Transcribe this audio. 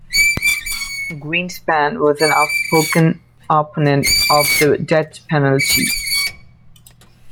Greenspan was an outspoken opponent of the death penalty.